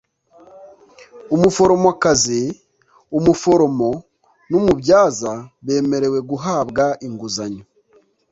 umuforomokazi , umuforomo n umubyaza bemerewe guhabwa inguzanyo